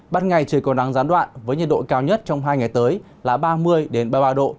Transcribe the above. bắt ngày trời còn nắng gián đoạn với nhiệt độ cao nhất trong hai ngày tới là ba mươi ba mươi ba độ